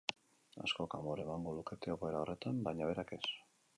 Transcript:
Askok amore emango lukete egoera horretan baina berak ez.